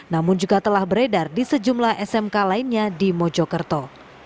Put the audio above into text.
namun juga telah beredar di sejumlah smk lainnya di mojokerto